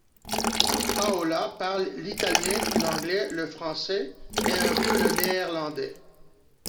Paola parle l'italien, l'anglais, le français et un peu le néerlandais.